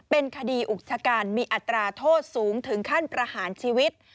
เป็นคดีอุกชการมีอัตราโทษสูงถึงขั้นประหารชีวิต